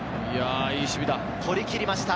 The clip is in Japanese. いい守備だ。